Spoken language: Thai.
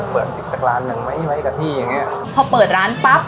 เปิดอีกสักร้านหนึ่งไหมไหมกับพี่อย่างเงี้ยพอเปิดร้านปั๊บ